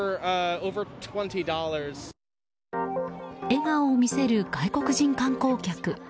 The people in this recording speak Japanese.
笑顔を見せる外国人観光客。